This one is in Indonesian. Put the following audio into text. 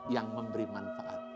yang memberi manfaat